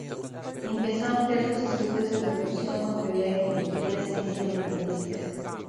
Empezó a ampliar sus estudios en percusión con teoría de geometría, ciencia y metafísica.